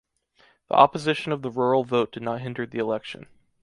The opposition of the rural vote did not hinder the election.